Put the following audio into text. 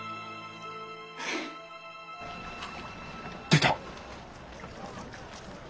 出た！